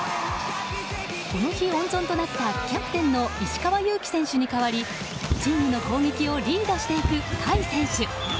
この日、温存となったキャプテン石川祐希選手に代わりチームの攻撃をリードしていく甲斐選手。